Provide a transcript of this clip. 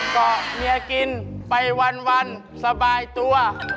เกาะเมียกินไปวันสบายตัว